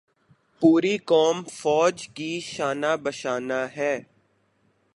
پوری قوم فوج کے شانہ بشانہ ہے۔